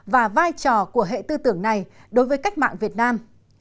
và vai trò của hệ tư tưởng này đối với cách mạng việt nam